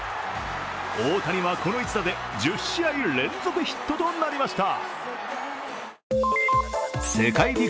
大谷はこの一打で１０試合連続ヒットとなりました。